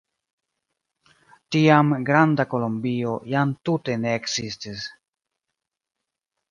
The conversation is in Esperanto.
Tiam Granda Kolombio jam tute ne ekzistis.